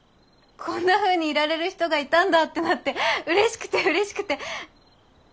「こんなふうにいられる人がいたんだ」ってなって嬉しくて嬉しくて。